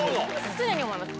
常に思います。